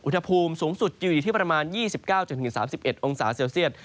อุณหภูมิสูงสุดจะอยู่ที่ประมาณ๒๙๓๑องศาเซลเซียต